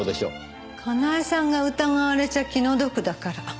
かなえさんが疑われちゃ気の毒だから。